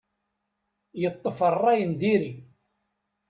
Yeṭṭef rray n diri.